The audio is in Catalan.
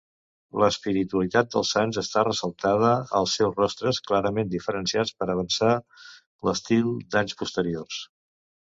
L'espiritualitat dels sants està ressaltada als seus rostres, clarament diferenciats per avançar l'estil d'anys posteriors.